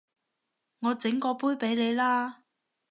我整過杯畀你啦